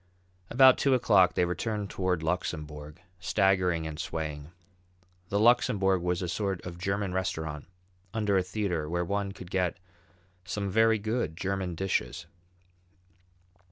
About two o'clock they returned toward the Luxembourg, staggering and swaying. The Luxembourg was a sort of German restaurant under a theatre where one could get some very good German dishes.